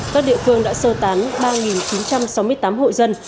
các địa phương đã sơ tán ba chín trăm sáu mươi tám hộ dân